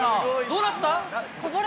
どうなった？